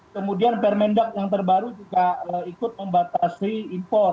kemudian permendak yang terbaru juga ikut membatasi impor